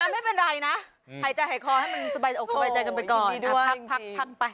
ไม่เป็นไรนะหายใจหายคอให้มันสบายอกสบายใจกันไปก่อนพักไป